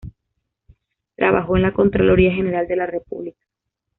Trabajó en la Contraloría General de la República.